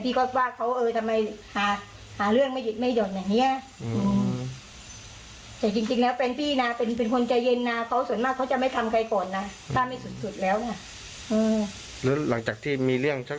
อีกฝ่ายหนึ่ง